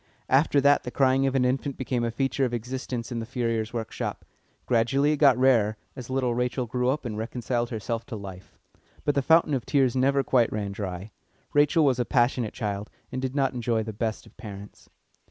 After that the crying of an infant became a feature of existence in the furrier's workshop; gradually it got rarer, as little Rachel grew up and reconciled herself to life. But the fountain of tears never quite ran dry. Rachel was a passionate child, and did not enjoy the best of parents.